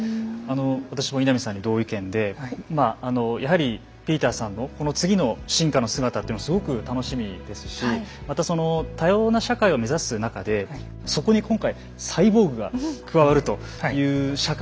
私も稲見さんに同意見でまあやはりピーターさんのこの次の進化の姿っていうのすごく楽しみですしまたその多様な社会を目指す中でそこに今回サイボーグが加わるという社会。